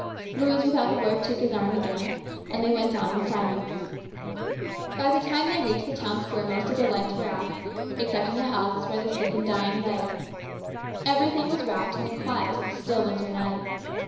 Louise without a word took his arm again and they went on in silence. By the time they reached the town square most of the lights were out, except in the houses where the sick and dying lay. Everything was wrapped in the quiet of a still winter night.